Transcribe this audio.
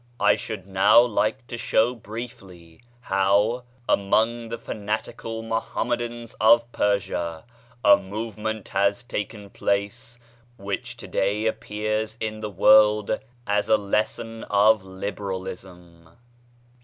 I should now like to show briefly how, among the fanatical Muhammadans 34 BAHAISM of Persia, a movement has taken place which to day appears in the world as a lesson of liberalism.